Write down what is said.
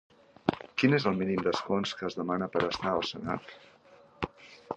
Quin és el mínim d'escons que es demana per a estar al senat?